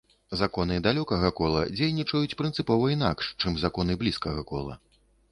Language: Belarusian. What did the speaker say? Законы далёкага кола дзейнічаюць прынцыпова інакш, чым законы блізкага кола.